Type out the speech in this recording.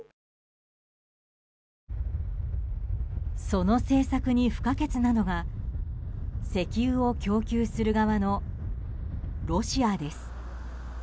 その政策に不可欠なのが石油を供給する側のロシアです。